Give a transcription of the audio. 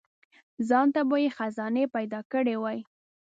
ځانته به یې خزانې پیدا کړي وای.